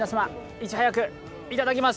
いち早くいただきます。